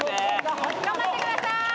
頑張ってください！